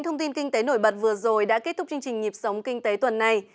thông tin kinh tế nổi bật vừa rồi đã kết thúc chương trình nhịp sống kinh tế tuần này